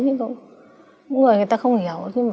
những người người ta không hiểu